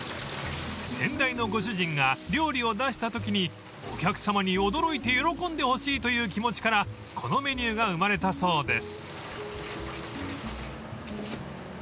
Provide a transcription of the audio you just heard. ［先代のご主人が料理を出したときにお客さまに驚いて喜んでほしいという気持ちからこのメニューが生まれたそうです］